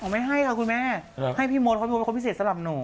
ไม่ให้ค่ะคุณแม่ให้พี่มดเขาเป็นคนพิเศษสำหรับหนู